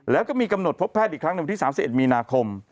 แล้วก็มีกำหนดพบแพทย์อีกครั้งในวันที่๓๑มีนาคม